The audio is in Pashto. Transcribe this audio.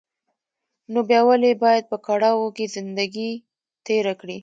نو بيا ولې بايد په کړاوو کې زندګي تېره کړې.